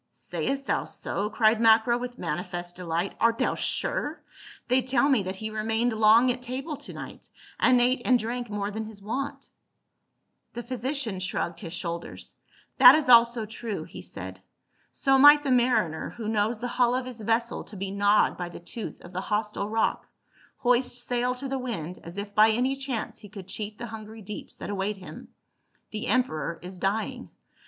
"Sayest thou so?" cried Macro with manifest delight. "Art thou sure? They tell me that he remained long at table to night, and ate and drank more than his wont." * Agrippina the elder, see note, page 45. 104 PA UL. The physician shrugged his shoulders. " That is also true," he said. " So might the mariner, who knows the hull of his vessel to be gnawed by the tooth of the hostile rock, hoist sail to the wind, as if by any chance he could cheat the hungry deeps that await him. The emperor is dying.